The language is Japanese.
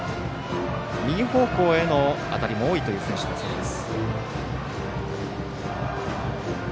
右方向への当たりも多いという選手です。